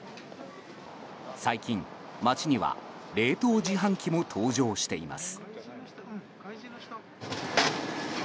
最近、街には冷凍自販機も登場しています。